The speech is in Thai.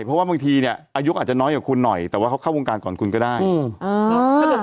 เพราะว่าบางทีเนี่ยอายุอาจจะน้อยกว่าคุณหน่อยแต่ว่าเขาเข้าวงการก่อนคุณก็ได้อืม